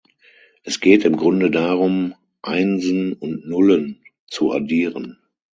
Es geht im Grunde darum, Einsen und Nullen zu addieren.